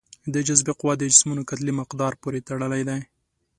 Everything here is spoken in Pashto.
د جاذبې قوه د جسمونو کتلې مقدار پورې تړلې ده.